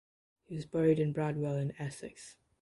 He was buried at Bradwell in Essex.